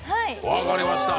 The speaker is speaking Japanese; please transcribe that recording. わかりました。